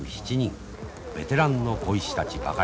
ベテランの鯉師たちばかりです。